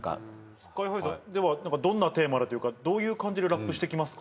ＳＫＹ−ＨＩさんではどんなテーマでというかどういう感じでラップしていきますか？